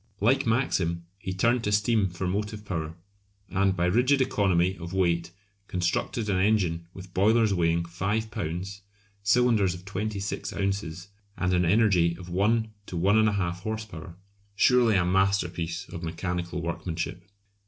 Like Maxim, he turned to steam for motive power, and by rigid economy of weight constructed an engine with boilers weighing 5 lbs., cylinders of 26 ozs., and an energy of 1 to 1 1/2 horse power! Surely a masterpiece of mechanical workmanship!